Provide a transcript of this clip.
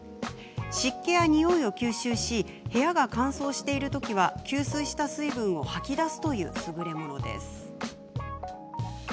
湿気や、においを吸収し部屋が乾燥しているときは吸収した水分を吐き出すという優れものです。